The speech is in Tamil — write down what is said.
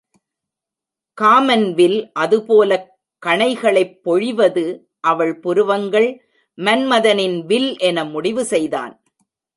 காமன்வில் அதுபோலக் கணைகளைப் பொழிவது அவள் புருவங்கள் மன்மதனின் வில் என முடிவு செய்தான்.